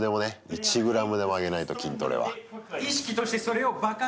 １ｇでも上げないと筋トレは。